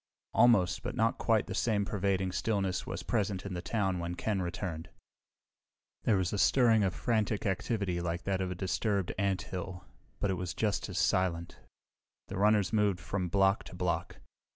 Almost, but not quite the same pervading stillness was present in the town when Ken returned. There was a stirring of frantic activity like that of a disturbed anthill, but it was just as silent. The runners moved from block to block.